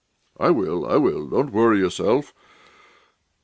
"I will, I will; don't worry yourself."